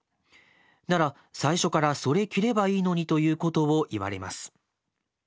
なら最初からそれ着ればいいのに』ということを言われます。